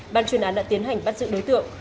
ban chuyên án đã tiến hành bắt giữ đối tượng